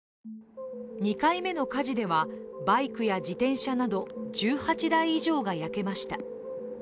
２回目の火事では、バイクや自転車など１８台代以上が焼けました。